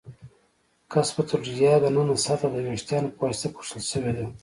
قصبة الریې د ننه سطحه د وېښتانو په واسطه پوښل شوې ده.